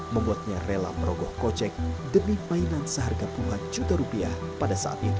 membuatnya rela merogoh kocek demi mainan seharga puluhan juta rupiah pada saat itu